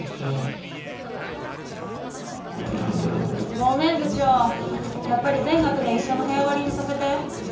ごめん部長やっぱり全学年いっしょの部屋割りにさせて。